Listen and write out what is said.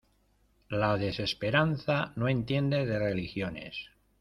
la desesperanza no entiende de religiones.